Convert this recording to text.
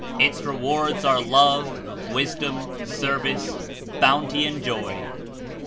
Its rewards are love, wisdom, service, bounty and joy.